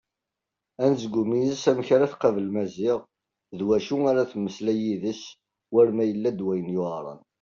Anezgum-is amek ara tqabel Maziɣ d wacu ara temmeslay yid-s war ma yella-d wayen yuɛren.